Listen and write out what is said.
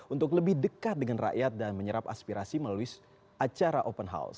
untuk lebih dekat dengan rakyat dan menyerap aspirasi melalui acara open house